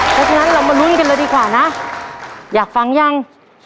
เพราะฉะนั้นเรามาลุ้นกันเลยดีกว่านะอยากฟังยัง